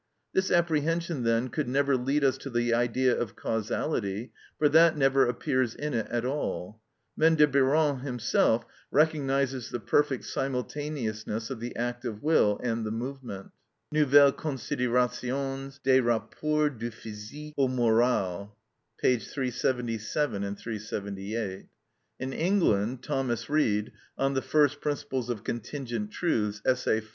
This apprehension, then, could never lead us to the idea of causality, for that never appears in it at all. Maine de Biran himself recognises the perfect simultaneousness of the act of will and the movement (Nouvelles Considérations des Rapports du Physique au Moral, p. 377, 378). In England Thomas Reid (On the First Principles of Contingent Truths, Essay IV.